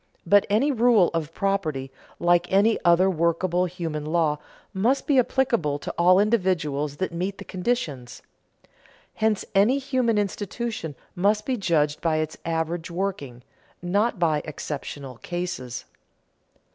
But any rule of property, like any other workable human law, must be applicable to all individuals that meet the conditions. Hence any human institution must be judged by its average working, not by exceptional cases.